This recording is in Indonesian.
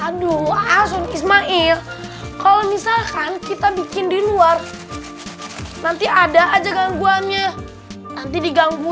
aduh asun ismail kalau misalkan kita bikin di luar nanti ada aja gangguannya nanti diganggu